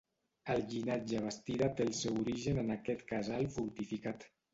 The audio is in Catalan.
El llinatge Bastida té el seu origen en aquest casal fortificat.